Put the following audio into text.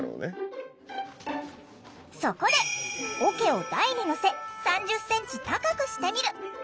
そこで桶を台に載せ３０ｃｍ高くしてみる。